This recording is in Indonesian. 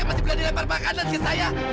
masih berani lempar makanan ke saya